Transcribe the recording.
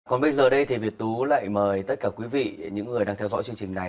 còn bây giờ đây thì việt tú lại mời tất cả quý vị những người đang theo dõi chương trình này